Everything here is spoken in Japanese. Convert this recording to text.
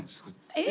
えっ？